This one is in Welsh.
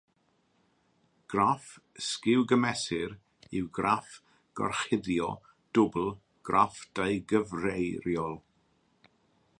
Graff sgiw-gymesur yw graff gorchuddio dwbl graff deugyfeiriol.